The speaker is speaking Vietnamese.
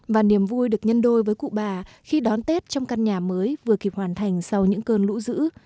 và niềm vui được nhân đôi với cụ bà khi đón tết trong căn nhà mới vừa kịp hoàn thành sau những cơn lũ dữ